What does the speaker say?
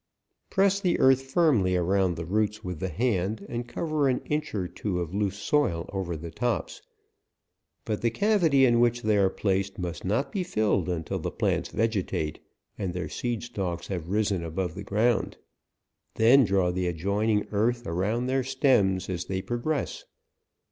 Press the earth firmly around the roots with the hand, and cover an inch or two of loose soil over the tops ; but the cavi ty in which they are placed must not be filled until the plants vegetate, and their seed stalks have risen above the ground ; then draw the adjoining earth around their stems as they progress.